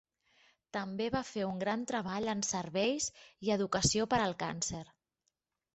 També va fer un gran treball en serveis i educació per al càncer.